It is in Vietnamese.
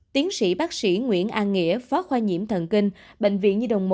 tiến sĩ bác sĩ nguyễn an nghĩa phó khoa nhiễm thần kinh bệnh viện nhi đồng một